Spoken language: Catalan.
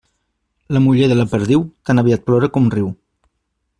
La muller de la perdiu, tan aviat plora com riu.